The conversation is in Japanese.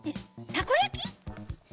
たこやき？